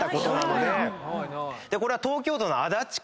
でこれは。